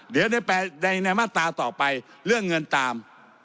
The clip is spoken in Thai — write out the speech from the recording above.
เดี๋ยวในมาตราต่อไปเรื่องเงินตาม